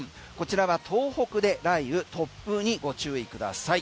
こちらは東北で雷雨、突風にご注意ください。